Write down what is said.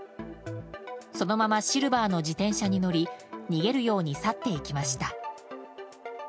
そのままシルバーの自転車に乗り逃げるように去っていきました。